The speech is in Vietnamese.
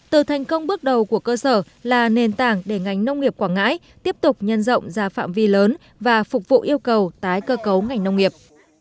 từ thành công bước đầu của cơ sở là nền tảng để ngành nông nghiệp quảng ngãi tiếp tục nhân rộng ra phạm vi lớn và phục vụ yêu cầu tái cơ cấu ngành nông nghiệp